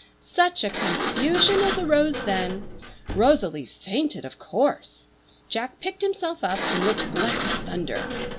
Such a confusion as arose then! Rosalie fainted, of course. Jack picked himself up, and looked black as thunder.